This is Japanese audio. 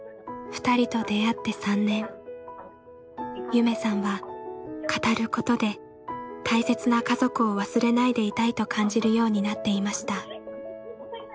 夢さんは語ることで大切な家族を忘れないでいたいと感じるようになっていました。